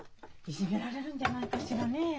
いじめられるんじゃないかしらねえ。